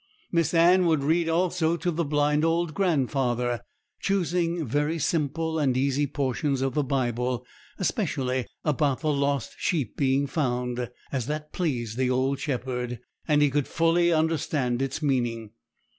Miss Anne would read also to the blind old grandfather, choosing very simple and easy portions of the Bible, especially about the lost sheep being found, as that pleased the old shepherd, and he could fully understand its meaning.